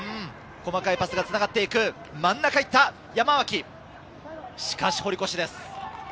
細かいパスがつながっていく真ん中に行った、しかし堀越です。